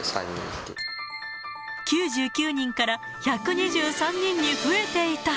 ９９人から１２３人に増えていた。